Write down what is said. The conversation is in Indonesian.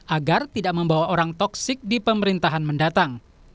agar tidak membawa orang toksik di pemerintahan mendatang